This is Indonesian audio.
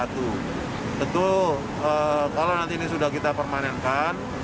tentu kalau nanti ini sudah kita permanenkan